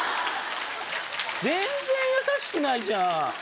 全然優しくないじゃん。